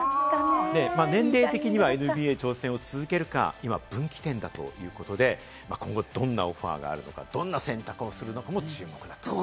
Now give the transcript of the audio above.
年齢的にはＮＢＡ挑戦を続けるか今、分岐点だということで、今後どんなオファーがあるのか、どんな選択をするのかも注目です。